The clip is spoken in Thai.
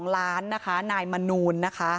๒ล้านนะคะนายมนูลนะคะ